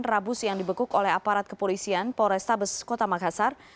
rabus yang dibekuk oleh aparat kepolisian polrestabes kota makassar